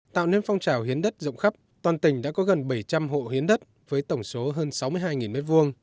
tạo nên phong trào hiến đất rộng khắp toàn tỉnh đã có gần bảy trăm linh hộ hiến đất với tổng số hơn sáu mươi hai m hai